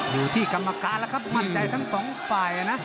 อยู่ที่กรรมการแล้วครับมั่นใจทั้งสองฝ่ายนะ